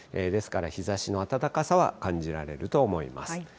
ですから、日ざしの暖かさは感じられると思います。